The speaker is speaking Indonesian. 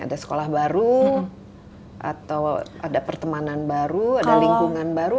ada sekolah baru atau ada pertemanan baru ada lingkungan baru